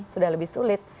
sudah lebih sulit